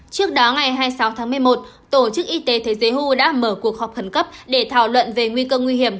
trước đó ngày hai mươi sáu tháng một mươi một tổ chức y tế thế giới hu đã mở cuộc họp khẩn cấp để thảo luận về nguy cơ nguy hiểm